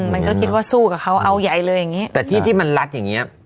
มันก็คิดว่าสู้กับเขาเอาใหญ่เลยอย่างเงี้แต่ที่ที่มันรัดอย่างเงี้ย